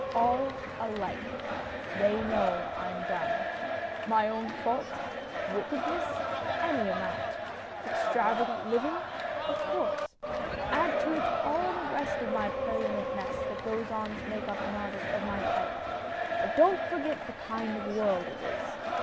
All alike. They know I'm done. My own fault? Wickedness? Any amount. Extravagant living? Of course. Add to it all the rest of the purulent mess that goes to make up an artist of my type. But don't forget the kind of world it is.